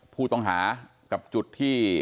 ผู้ต้องหากับจุดที่